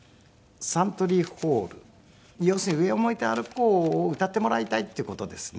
要するに『上を向いて歩こう』を歌ってもらいたいっていう事ですね。